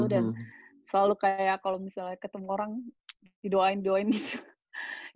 dan selalu kayak kalau misalnya ketemu orang didoain doain gitu